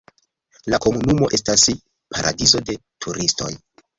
La komunumo estas paradizo de turistoj.